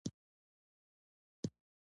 د نورو ستونزو ته اهمیت ورکړه.